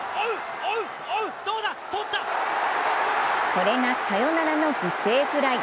これがサヨナラの犠牲フライ。